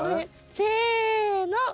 せの！